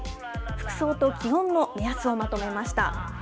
服装と気温の目安をまとめました。